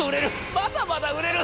まだまだ売れる！』。